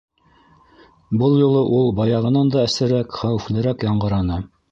Был юлы ул баяғынан да әсерәк, хәүефлерәк яңғыраны.